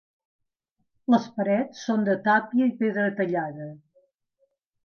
Les parets són de tàpia i pedra tallada.